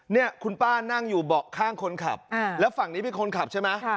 เนี่ยคุณป้านั่งอยู่เบาะข้างคนขับแล้วฝั่งนี้เป็นคนขับใช่ไหม